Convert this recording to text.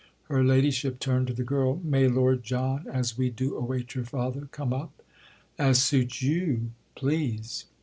Her ladyship turned to the girl. "May Lord John—as we do await your father—come up?" "As suits you, please!"